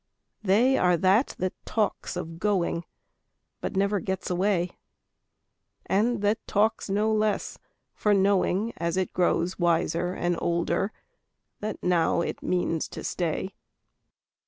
They are that that talks of going But never gets away; And that talks no less for knowing, As it grows wiser and older, That now it means to stay.